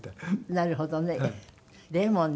なるほどね。